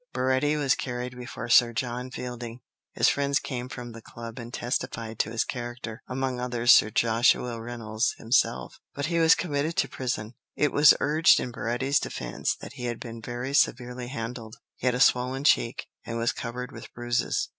Baretti was carried before Sir John Fielding; his friends came from the club and testified to his character, among others Sir Joshua Reynolds himself, but he was committed to prison. It was urged in Baretti's defence that he had been very severely handled; he had a swollen cheek, and was covered with bruises.